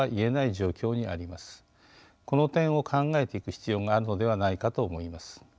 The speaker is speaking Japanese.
この点を考えていく必要があるのではないかと思います。